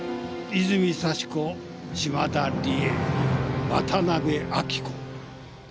泉幸子嶋田理恵渡辺亜希子。